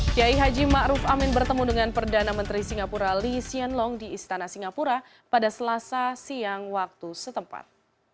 kiai haji ⁇ maruf ⁇ amin bertemu dengan perdana menteri singapura lee hsien long di istana singapura pada selasa siang waktu setempat